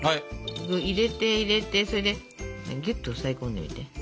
入れて入れてそれでぎゅっと押さえ込んでみて。